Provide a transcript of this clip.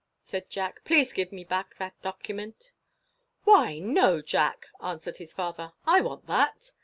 said Jack, "please give me back that document." "Why, no, Jack," answered his father, "I want that."